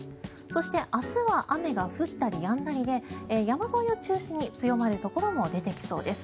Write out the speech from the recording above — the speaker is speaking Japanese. そして、明日は雨が降ったりやんだりで山沿いを中心に強まるところも出てきそうです。